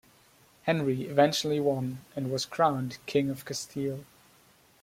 Henry eventually won and was crowned King of Castile.